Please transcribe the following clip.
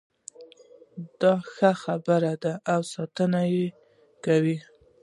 دا ښه خبره ده او ستاينه یې کوو